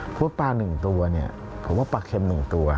เพราะว่าปลาหนึ่งตัวผมว่าปลาเข็มหนึ่งตัว